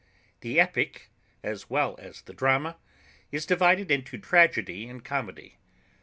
The EPIC, as well as the DRAMA, is divided into tragedy and comedy.